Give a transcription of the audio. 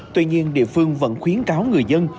tuy nhiên địa phương vẫn khuyến cáo người dân